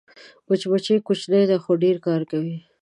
مچمچۍ کوچنۍ ده خو ډېر کار کوي